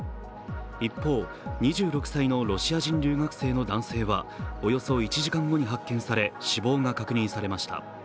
一方、２６歳のロシア人留学生の男性はおよそ１時間後に発見され死亡が確認されました。